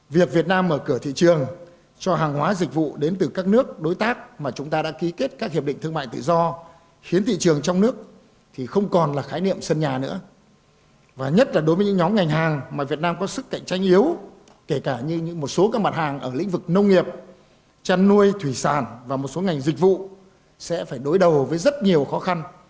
việt nam có sức cạnh tranh yếu kể cả như một số các mặt hàng ở lĩnh vực nông nghiệp chăn nuôi thủy sản và một số ngành dịch vụ sẽ phải đối đầu với rất nhiều khó khăn